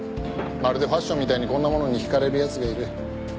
まるでファッションみたいにこんなものに惹かれる奴がいる。